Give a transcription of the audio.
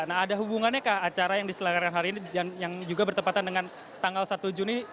nah ada hubungannya kah acara yang diselenggarakan hari ini dan yang juga bertepatan dengan tanggal satu juni